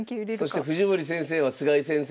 そして藤森先生は菅井先生と。